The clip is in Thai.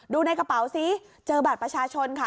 ดูในกระเป๋าซิเจอบัตรประชาชนค่ะ